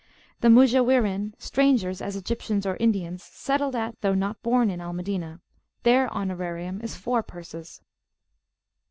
The Mujawirin, strangers, as Egyptians or Indians, settled at, though not born in, Al Madinah. Their honorarium is four purses.